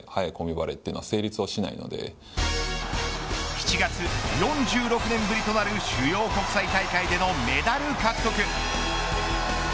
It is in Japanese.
７月、４６年ぶりとなる主要国際大会でのメダル獲得。